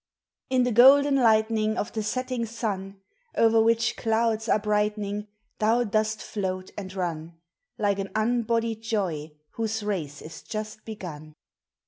In the golden lightning Of the setting sun. O'er which clouds are brightening, Thou dost float and run; Like an unbodied joy whose race is just begun.